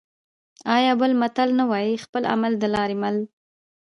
آیا بل متل نه وايي: خپل عمل د لارې مل؟